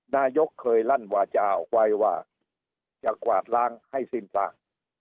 นายกเคยลั่นวาจาออกไว้ว่าจะกวาดล้างให้สิ้นซาก